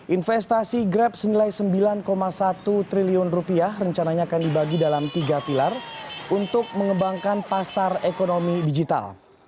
investasi grab senilai sembilan satu triliun rupiah rencananya akan dibagi dalam tiga pilar untuk mengembangkan pasar ekonomi digital